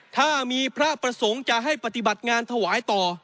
ถ้ามีพระประสงค์จะให้ปฏิบัติงานถวายต่อ